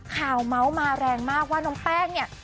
เมาส์มาแรงมากว่าน้องแป้งเนี่ย